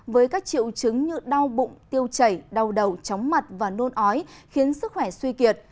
với các triệu chứng như đau bụng tiêu chảy đau đầu chóng mặt và nôn ói khiến sức khỏe suy kiệt